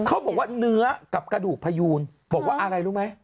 เขาบอกว่าเนื้อกับกระดูกพยูนบอกว่าอะไรรู้ไหม